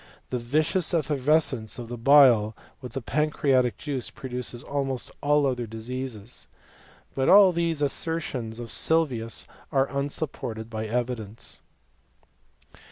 The vicious eflFervescence of the bile with the pancreatic juice pro duces almost all other diseases. But all these asser tions of Sylvius are unsupported by evidence.